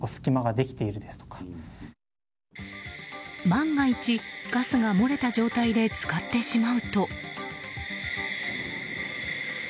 万が一、ガスが漏れた状態で使ってしまうと。